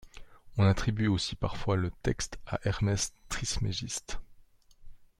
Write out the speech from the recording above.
On attribue aussi parfois le texte à Hermès Trismégiste.